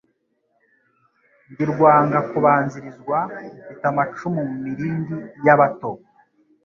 Ndi rwanga kubanzilizwa mfite amacumu mu mirindi y,abato